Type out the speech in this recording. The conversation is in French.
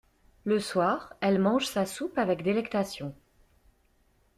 Le soir, elle mange sa soupe avec délectation.